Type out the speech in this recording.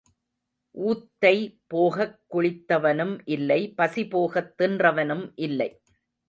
ஊத்தை போகக் குளித்தவனும் இல்லை பசி போகத் தின்றவனும் இல்லை.